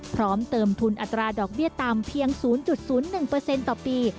พร้อมเติมทุนอัตราดอกเบี้ยต่ำเพียง๐๐๑ต่อปี